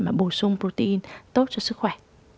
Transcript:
mà bổ sung protein tốt cho sức khỏe